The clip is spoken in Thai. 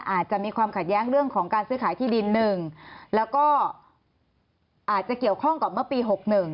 อาจจะมีความขัดแย้งเรื่องของการซื้อขายที่ดิน๑แล้วก็อาจจะเกี่ยวข้องกับเมื่อปี๖๑